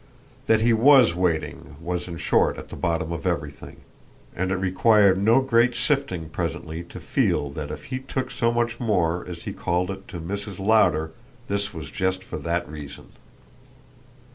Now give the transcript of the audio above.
That he WAS waiting was in short at the bottom of everything; and it required no great sifting presently to feel that if he took so much more, as he called it, to Mrs. Lowder this was just for that reason.